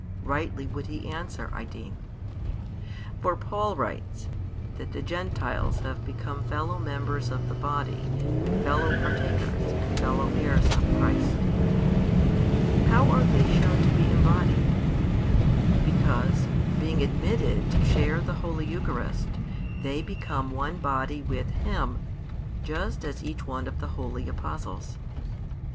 Rightly would he answer, I deem. For Paul writes, that the Gentiles have become fellow members of the body, and fellow partakers, and fellow heirs of Christ. How are they shown to be "embodied"? Because, being admitted to share the Holy Eucharist, they become one body with Him, just as each one of the holy Apostles.